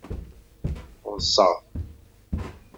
Ḍḍseɣ.